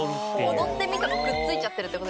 踊ってみたとくっついちゃってるって事？